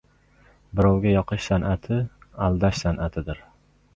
Birovga yoqish san’ati — aldash san’atidir.